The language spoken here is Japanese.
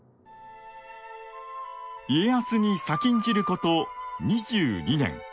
家康に先んじること２２年。